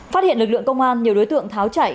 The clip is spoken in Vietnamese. phát hiện lực lượng công an nhiều đối tượng tháo chạy